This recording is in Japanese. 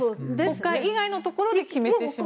国会以外のところで決めてしまって。